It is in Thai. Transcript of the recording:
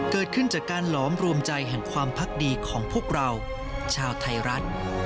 เกิดขึ้นจากการหลอมรวมใจแห่งความพักดีของพวกเราชาวไทยรัฐ